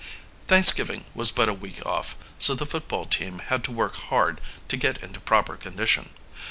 Thanksgiving was but a week off, so the football team had to work hard to get into proper condition.